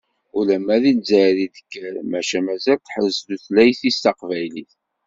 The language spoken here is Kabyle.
Ulamma deg Lezzayer i d-tekkar maca mazal teḥrez tutlayt-is taqbaylit.